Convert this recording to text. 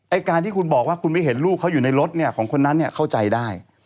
ไอ้การที่คุณบอกว่าคุณไม่เห็นลูกเขาอยู่ในรถของคนนั้นเข้าใจได้